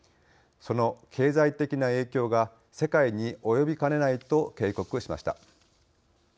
その経済的な影響が世界に及びかねないと警告しました。